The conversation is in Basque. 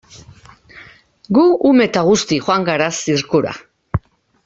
Gu ume eta guzti joan gara zirkura.